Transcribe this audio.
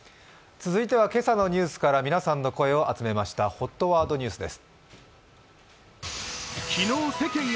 続いては今朝のニュースから皆さんの声を集めました、ＨＯＴワードニュースです。